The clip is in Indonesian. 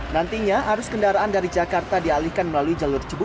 nantinya arus kendaraan dari jakarta dialihkan melalui jalur cibubur